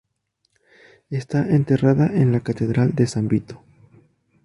Está enterrada en la Catedral de San Vito.